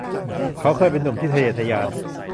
เขาเคยเป็นหนุ่มที่ทะเยอทะยาน